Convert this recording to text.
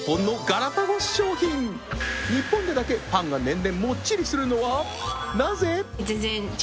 日本でだけパンが年々もっちりするのはなぜ？